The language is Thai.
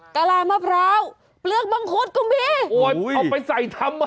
กะลามาเพราเปลือกมังคลกรุงภีร์โอ้ยเอาไปใส่ทำไม